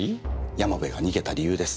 山部が逃げた理由です。